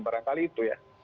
barangkali itu ya